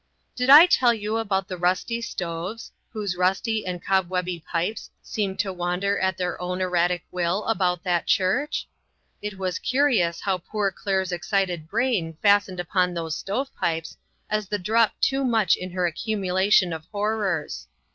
Did I tell you about the rusty stoves, whose rusty and cobwebby pipes seemed to wander at their own erratic will about that church? It was curious how poor Claire's excited brain fastened upon those stovepipes as the drop too much in her accumulation of horrors.